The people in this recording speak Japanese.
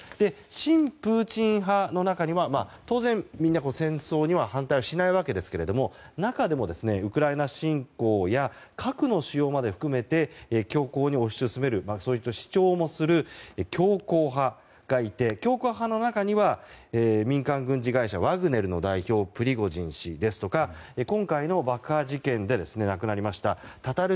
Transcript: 親プーチン派の中には当然、みんな反対しないわけですが中でもウクライナ侵攻や核の使用まで含めて強硬に推し進めるそういった主張もする強硬派がいて強硬派の中には民間軍事会社ワグネルの代表プリゴジン氏ですとか今回の爆破事件で亡くなりましたタタル